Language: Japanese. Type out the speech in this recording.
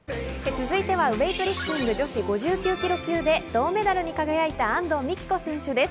続いてはウエイトリフティング女子５９ｋｇ級で銅メダルに輝いた安藤美希子選手です。